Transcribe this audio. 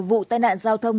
vụ tai nạn giao thông